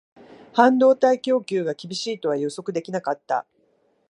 半導体供給が厳しいとは予想できなかった